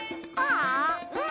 うん。